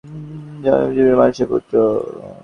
তিনি Umar ibn al Khattab ও Zaynab bint মাযুনের পুত্র।